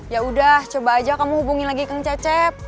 ya udah coba aja kamu hubungin lagi kang cecep